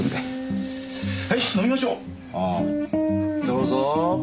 どうぞ。